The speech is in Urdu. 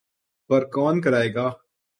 پر کون کرائے گا؟